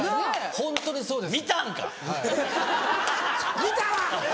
ホントにそうですよ。